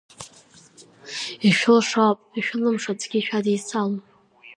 Ишәылшо ауп, ишәылымшо аӡәгьы шәадицалом.